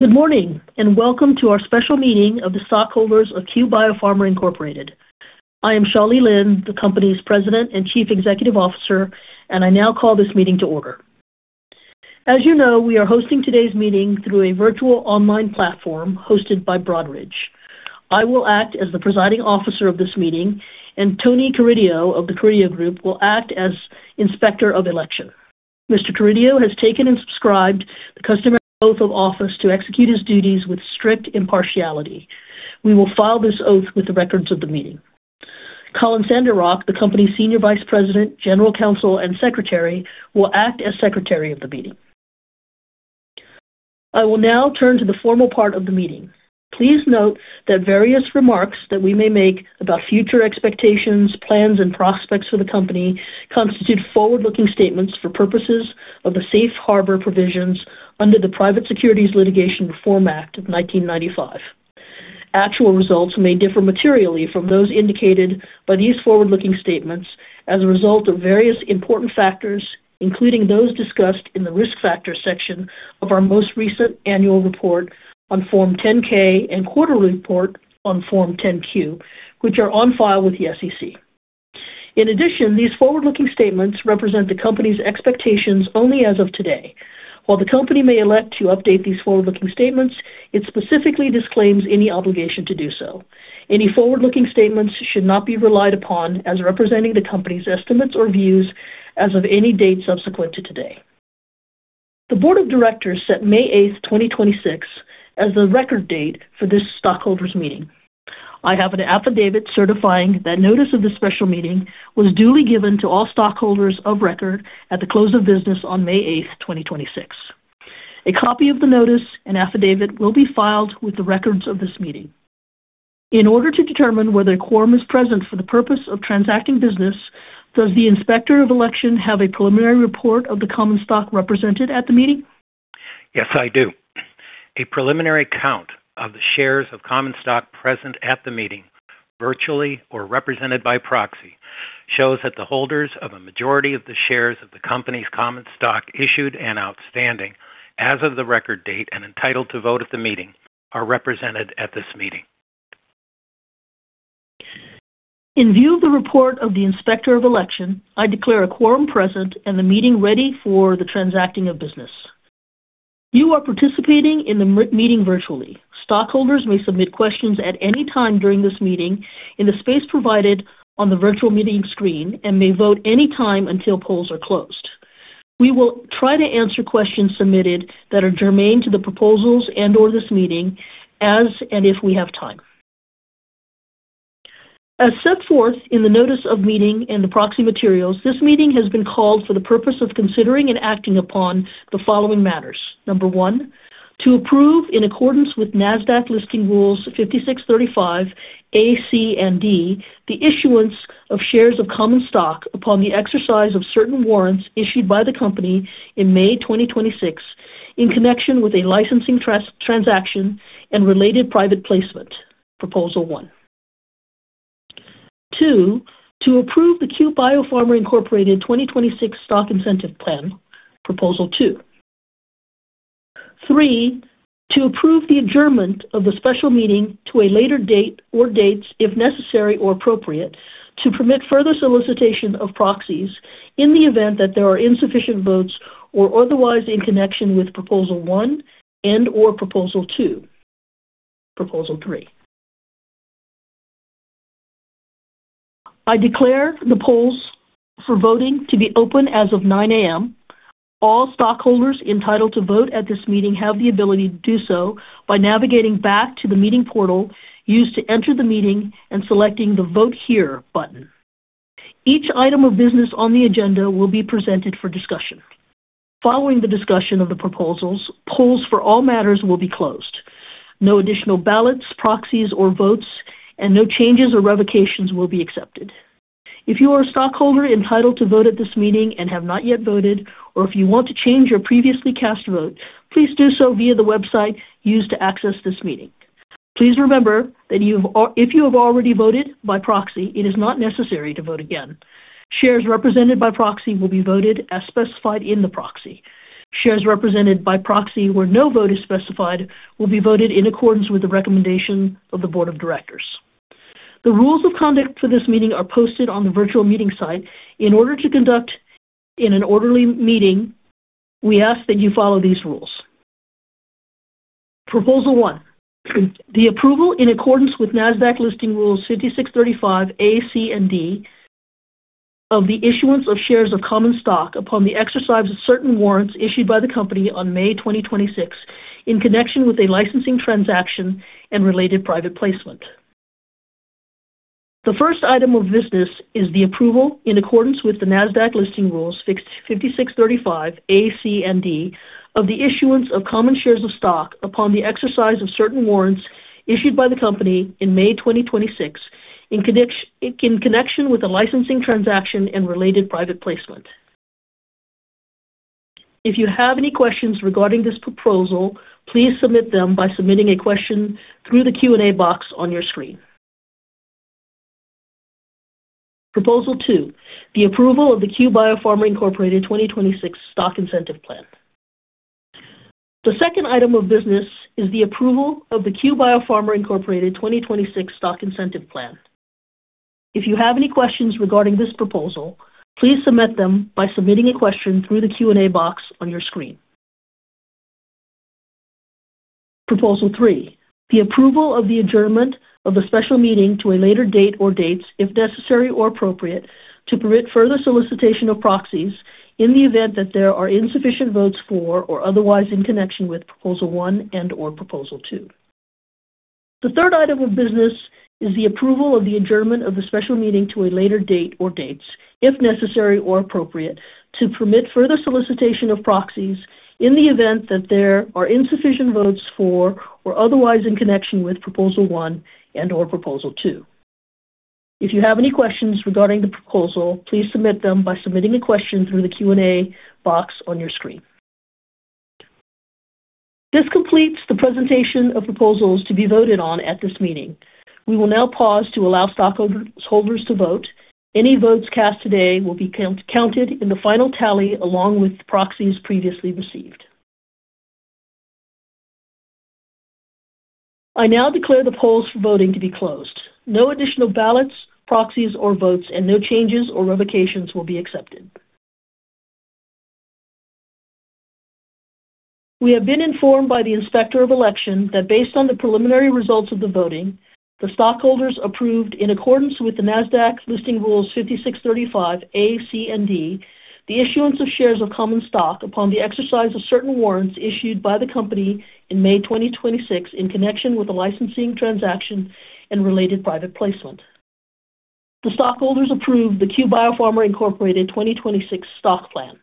Good morning, and welcome to our Special Meeting of the Stockholders of Cue Biopharma, Incorporated. I am Shao-Lee Lin, the company's President and Chief Executive Officer, and I now call this meeting to order. As you know, we are hosting today's meeting through a virtual online platform hosted by Broadridge. I will act as the Presiding Officer of this meeting, and Tony Carideo of the Carideo Group will act as Inspector of Election. Mr. Carideo has taken and subscribed the customary oath of office to execute his duties with strict impartiality. We will file this oath with the records of the meeting. Colin Sandercock, the company's Senior Vice President, General Counsel, and Secretary, will act as Secretary of the meeting. I will now turn to the formal part of the meeting. Please note that various remarks that we may make about future expectations, plans, and prospects for the company constitute forward-looking statements for purposes of the safe harbor provisions under the Private Securities Litigation Reform Act of 1995. Actual results may differ materially from those indicated by these forward-looking statements as a result of various important factors, including those discussed in the Risk Factors section of our most recent annual report on Form 10-K and quarterly report on Form 10-Q, which are on file with the SEC. In addition, these forward-looking statements represent the company's expectations only as of today. While the company may elect to update these forward-looking statements, it specifically disclaims any obligation to do so. Any forward-looking statements should not be relied upon as representing the company's estimates or views as of any date subsequent to today. The Board of Directors set May 8th, 2026, as the record date for this stockholders meeting. I have an affidavit certifying that notice of this special meeting was duly given to all stockholders of record at the close of business on May 8th, 2026. A copy of the notice and affidavit will be filed with the records of this meeting. In order to determine whether a quorum is present for the purpose of transacting business, does the Inspector of Election have a preliminary report of the common stock represented at the meeting? Yes, I do. A preliminary count of the shares of common stock present at the meeting, virtually or represented by proxy, shows that the holders of a majority of the shares of the company's common stock issued and outstanding as of the record date and entitled to vote at the meeting are represented at this meeting. In view of the report of the Inspector of Election, I declare a quorum present and the meeting ready for the transacting of business. You are participating in the meeting virtually. Stockholders may submit questions at any time during this meeting in the space provided on the virtual meeting screen and may vote any time until polls are closed. We will try to answer questions submitted that are germane to the proposals and/or this meeting as and if we have time. As set forth in the notice of meeting and the proxy materials, this meeting has been called for the purpose of considering and acting upon the following matters. Number one, to approve, in accordance with Nasdaq Listing Rule 5635(a), (c), and (d), the issuance of shares of common stock upon the exercise of certain warrants issued by the company in May 2026 in connection with a licensing transaction and related private placement. Proposal one. Two, to approve the Cue Biopharma, Incorporated 2026 Stock Incentive Plan. Proposal two. Three, to approve the adjournment of the special meeting to a later date or dates, if necessary or appropriate, to permit further solicitation of proxies in the event that there are insufficient votes or otherwise in connection with proposal one and/or proposal two. Proposal three. I declare the polls for voting to be open as of 9:00 A.M. All stockholders entitled to vote at this meeting have the ability to do so by navigating back to the meeting portal used to enter the meeting and selecting the Vote Here button. Each item of business on the agenda will be presented for discussion. Following the discussion of the proposals, polls for all matters will be closed. No additional ballots, proxies, or votes, and no changes or revocations will be accepted. If you are a stockholder entitled to vote at this meeting and have not yet voted or if you want to change your previously cast vote, please do so via the website used to access this meeting. Please remember that if you have already voted by proxy, it is not necessary to vote again. Shares represented by proxy will be voted as specified in the proxy. Shares represented by proxy where no vote is specified will be voted in accordance with the recommendation of the board of directors. The rules of conduct for this meeting are posted on the virtual meeting site. In order to conduct in an orderly meeting, we ask that you follow these rules. Proposal one, the approval, in accordance with Nasdaq Listing Rules 5635(a), (c), and (d), of the issuance of shares of common stock upon the exercise of certain warrants issued by the company on May 2026 in connection with a licensing transaction and related private placement. The first item of business is the approval, in accordance with the Nasdaq Listing Rules 5635(a), (c), and (d), of the issuance of common shares of stock upon the exercise of certain warrants issued by the company in May 2026 in connection with a licensing transaction and related private placement. If you have any questions regarding this proposal, please submit them by submitting a question through the Q&A box on your screen. Proposal two, the approval of the Cue Biopharma, Incorporated 2026 Stock Incentive Plan. The second item of business is the approval of the Cue Biopharma, Incorporated 2026 Stock Incentive Plan. If you have any questions regarding this proposal, please submit them by submitting a question through the Q&A box on your screen. Proposal three, the approval of the adjournment of the special meeting to a later date or dates, if necessary or appropriate, to permit further solicitation of proxies in the event that there are insufficient votes for or otherwise in connection with proposal one and/or proposal two. The third item of business is the approval of the adjournment of the special meeting to a later date or dates, if necessary or appropriate, to permit further solicitation of proxies in the event that there are insufficient votes for or otherwise in connection with proposal one and/or proposal two. If you have any questions regarding the proposal, please submit them by submitting a question through the Q&A box on your screen. This completes the presentation of proposals to be voted on at this meeting. We will now pause to allow stockholders to vote. Any votes cast today will be counted in the final tally along with proxies previously received. I now declare the polls for voting to be closed. No additional ballots, proxies, or votes, and no changes or revocations will be accepted. We have been informed by the Inspector of Election that based on the preliminary results of the voting, the stockholders approved, in accordance with the Nasdaq Listing Rule 5635(a), (c), and (d), the issuance of shares of common stock upon the exercise of certain warrants issued by the company in May 2026 in connection with the licensing transaction and related private placement. The stockholders approved the Cue Biopharma, Incorporated 2026 Stock Plan.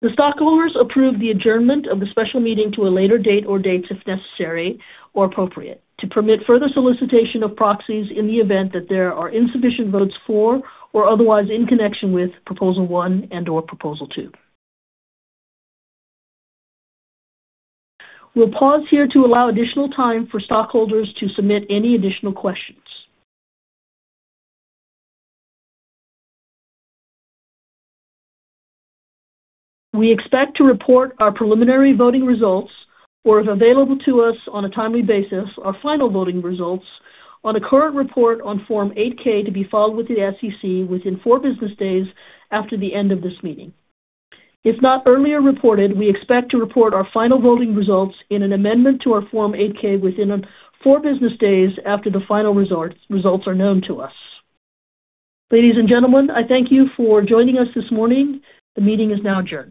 The stockholders approved the adjournment of the special meeting to a later date or dates, if necessary or appropriate, to permit further solicitation of proxies in the event that there are insufficient votes for or otherwise in connection with proposal one and/or proposal two. We'll pause here to allow additional time for stockholders to submit any additional questions. We expect to report our preliminary voting results, or, if available to us on a timely basis, our final voting results on a current report on Form 8-K to be filed with the SEC within four business days after the end of this meeting. If not earlier reported, we expect to report our final voting results in an amendment to our Form 8-K within four business days after the final results are known to us. Ladies and gentlemen, I thank you for joining us this morning. The meeting is now adjourned.